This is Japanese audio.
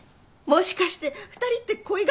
もしかして２人って恋敵？